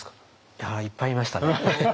いやいっぱいいましたね。